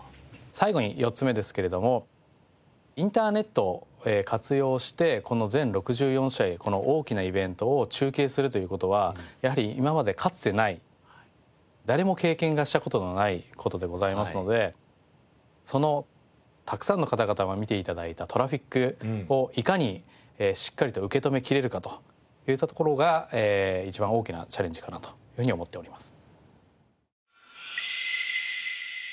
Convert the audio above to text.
最後に４つ目ですけれどもインターネットを活用してこの全６４試合この大きなイベントを中継するという事はやはり今までかつてない誰も経験した事のない事でございますのでそのたくさんの方々に見て頂いたトラフィックをいかにしっかりと受け止めきれるかといったところが一番大きなチャレンジかなというふうに思っております。